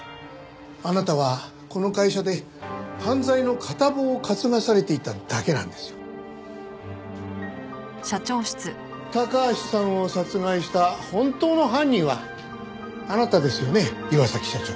あなたはこの会社で犯罪の片棒を担がされていただけなんですよ。高橋さんを殺害した本当の犯人はあなたですよね岩崎社長。